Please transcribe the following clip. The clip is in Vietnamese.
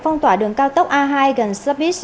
phong tỏa đường cao tốc a hai gần zabis